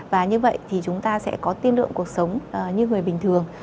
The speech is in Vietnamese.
và như vậy thì chúng ta sẽ có tiên lượng cuộc sống như người bình thường